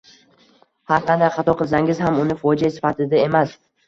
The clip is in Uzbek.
har qanday xato qilsangiz ham uni fojea sifatida emas